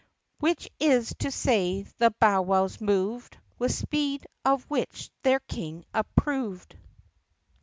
Which is to say the bowwows moved With speed (of which their King approved).